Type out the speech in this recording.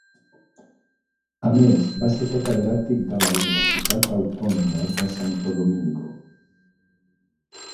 A més, va ser catedràtic de la Universitat Autònoma de Santo Domingo.